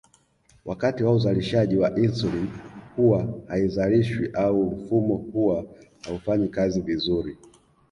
Wakati wa uzalishaji wa insulini huwa haizalishwi au mfumo huwa haufanyi kazi vizuri